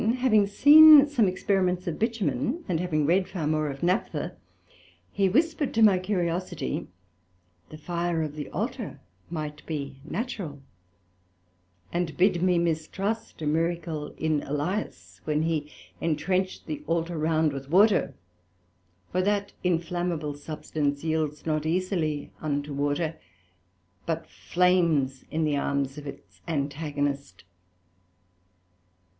Again, having seen some experiments of Bitumen, and having read far more of Naphtha, he whispered to my curiosity the fire of the Altar might be natural; and bid me mistrust a miracle in Elias, when he entrenched the Altar round with Water: for that inflamable substance yields not easily unto Water, but flames in the Arms of its Antagonist.